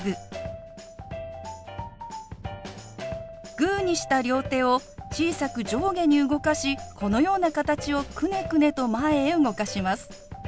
グーにした両手を小さく上下に動かしこのような形をくねくねと前へ動かします。